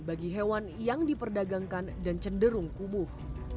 bagi hewan yang diperdagangkan dan cenderung kumuh